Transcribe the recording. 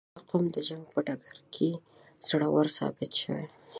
• دا قوم د جنګ په ډګر کې زړور ثابت شوی.